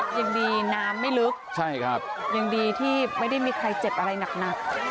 ยังดีน้ำไม่ลึกยังดีที่ไม่ได้มีใครเจ็บอะไรหนักใช่ครับ